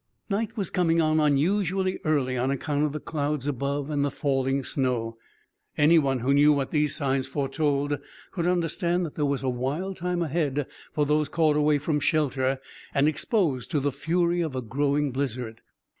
Night was coming on unusually early, on account of the clouds above and the falling snow. Any one who knew what these signs foretold could understand that there was a wild time ahead for those caught away from shelter and exposed to the fury of a growing blizzard.